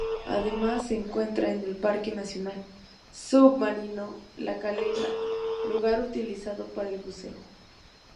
Además se encuentra el "Parque nacional Submarino La Caleta", lugar utilizado para el buceo.